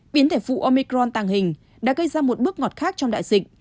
biến thể phụ omicron tàng hình đã gây ra một bước ngọt khác trong đại dịch